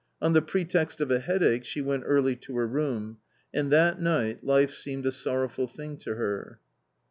On the pretext of a headache she went early to her room. And that night life seemed a sorrowful thing to her.